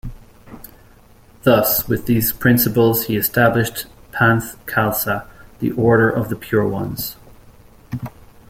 Thus with these principles he established Panth Khalsa, the Order of the Pure Ones.